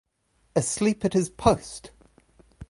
Asleep at his post!